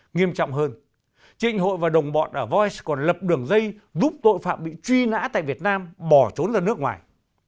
nghiêm trọng hơn trịnh hội và đồng bọn ở voice còn lập đường dây giúp tội phạm bị truy nã tại việt nam bỏ đi